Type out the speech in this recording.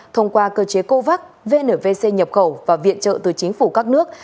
thông qua cơ chế covax vnvc nhập khẩu và viện trợ từ chính phủ các nước